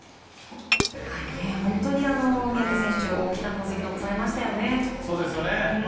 本当に三宅選手、大きな功績残されましたよね。